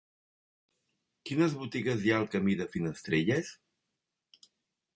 Quines botigues hi ha al camí de Finestrelles?